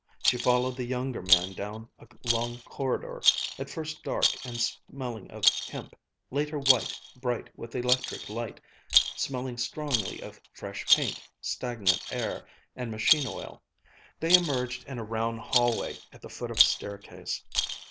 She followed the younger man down a long corridor, at first dark and smelling of hemp, later white, bright with electric light, smelling strongly of fresh paint, stagnant air, and machine oil. They emerged in a round hallway at the foot of a staircase.